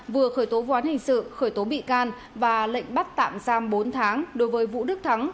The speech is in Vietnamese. vừa khởi tố vụ án hình sự khởi tố bị can và lệnh bắt tạm giam bốn tháng đối với vũ đức thắng